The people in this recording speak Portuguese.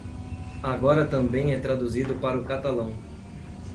Agora também é traduzido para o catalão.